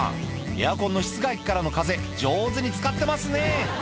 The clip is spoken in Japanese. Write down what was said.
エアコンの室外機からの風上手に使ってますね